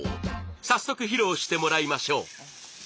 早速披露してもらいましょう。